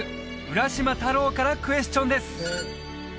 浦島太郎からクエスチョンです